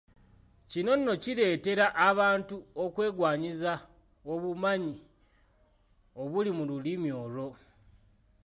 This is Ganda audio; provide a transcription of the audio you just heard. Kino nno kireetera abantu okwegwanyiza obumanyi obuli mu lulimi olwo.